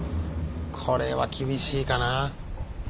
これは厳しいかな。